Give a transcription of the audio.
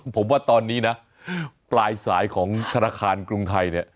ผมว่าตอนนี้นะปลายสายของธนาคารกรุงไทยเนี่ย